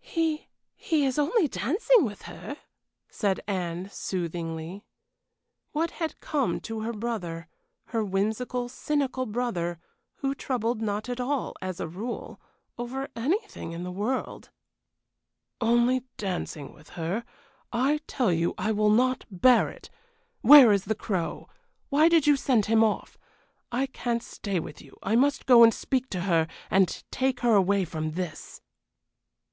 "He he is only dancing with her," said Anne, soothingly. What had come to her brother, her whimsical, cynical brother, who troubled not at all, as a rule, over anything in the world? "Only dancing with her! I tell you I will not bear it. Where is the Crow? Why did you send him off? I can't stay with you; I must go and speak to her, and take her away from this."